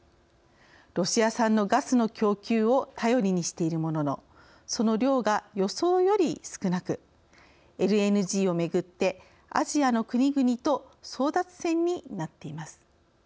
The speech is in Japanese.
ロシア産のガスの供給を頼りにしているもののその量が予想より少なくＬＮＧをめぐってアジアの国々と争奪戦になっています。